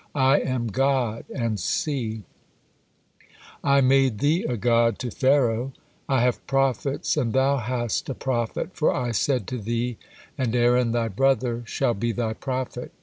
I am God, and see, 'I made thee a god to Pharaoh;' I have prophets, and thou hast a prophet, for I said to thee, 'and Aaron, thy brother, shall be thy prophet.'